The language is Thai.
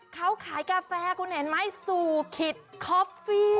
เขาขายกาแฟคุณเห็นไหมสู่ขิตคอฟฟี่